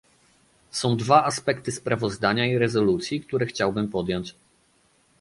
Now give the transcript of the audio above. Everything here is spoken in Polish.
Są dwa aspekty sprawozdania i rezolucji, które chciałbym podjąć